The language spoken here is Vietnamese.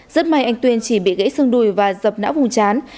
rất may anh tuyên chỉ bị gãy xương đùi và dập não vùng chán